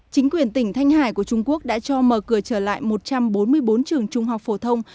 chính quyền tỉnh thanh hải của trung quốc đã cho mở cửa trở lại một trăm bốn mươi bốn trường trung học phổ thông